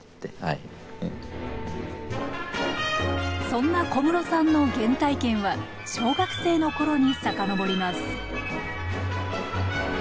そんな小室さんの原体験は小学生の頃に遡ります